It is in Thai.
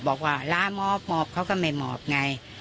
บอกว่าล้าหมอบหมอบเขาก็ไม่หมอบไง